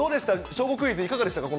小５クイズ、いかがでしたか？